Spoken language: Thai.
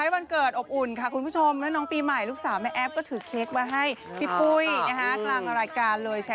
ไม่ใช่นั้นอัตุ๋ยอัตุ๋ย